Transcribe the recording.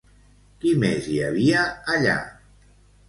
Qui més hi havia allà?